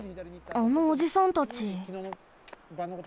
あのおじさんたち。